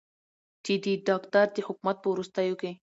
چې د داکتر د حکومت په وروستیو کې